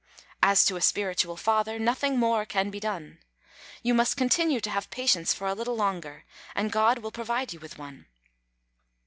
As to a spiritual Father, nothing more can be done. You must continue to have patience for a little longer and God will provide you with one.